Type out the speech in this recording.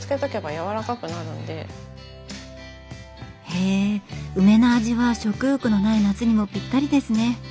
へえ梅の味は食欲のない夏にもピッタリですね。